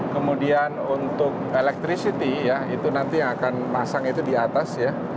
kemudian untuk electricity ya itu nanti yang akan masang itu di atas ya